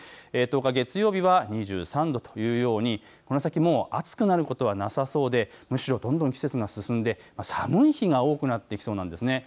１０日、月曜日は２３度というようにこの先もう暑くなることはなさそうでむしろどんどん季節が進んで寒い日が多くなってきそうなんですね。